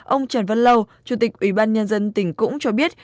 ông trần văn lâu chủ tịch ủy ban nhân dân tỉnh cũng cho biết